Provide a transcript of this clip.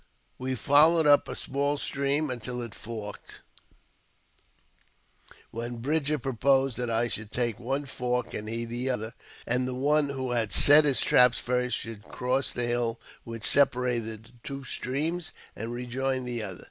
We followed up a small stream until it forked, when Bridger proposed that I should take one fork and he the other, and the one who had set his traps first should cross the hill which separated the two streams and rejoin the other.